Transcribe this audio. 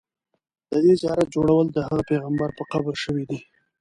د دې زیارت جوړول د هغه پیغمبر په قبر شوي دي.